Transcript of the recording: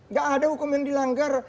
nggak ada hukum yang dilanggar